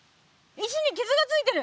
石にきずがついてる！